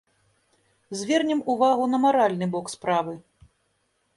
Звернем увагу на маральны бок справы.